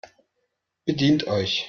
Bedient euch!